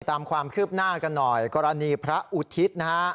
ตามความคืบหน้ากันหน่อยกรณีพระอุทิศนะฮะ